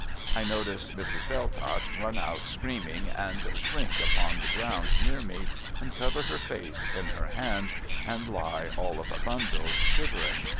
I noticed Mrs. Belltott run out screaming, and shrink upon the ground near me, and cover her face in her hands, and lie all of a bundle, shivering.